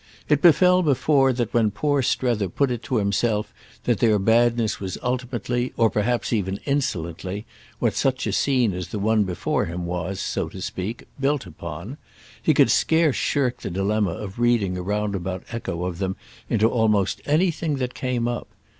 It befell therefore that when poor Strether put it to himself that their badness was ultimately, or perhaps even insolently, what such a scene as the one before him was, so to speak, built upon, he could scarce shirk the dilemma of reading a roundabout echo of them into almost anything that came up.